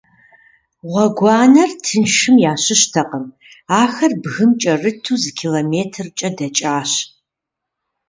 Гъуэгуанэр тыншхэм ящыщтэкъым - ахэр бгым кӏэрыту зы километркӏэ дэкӏащ.